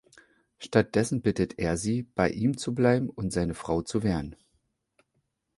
Stattdessen bittet er sie bei ihm zu bleiben und seine Frau zu werden.